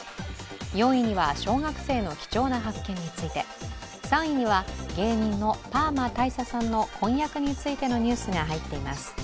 ４位には小学生の貴重な発見について、３位は芸人のパーマ大佐さんの婚約についてのニュースが入っています。